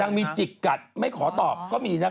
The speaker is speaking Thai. จิกกัดไม่ขอตอบก็มีนะคะ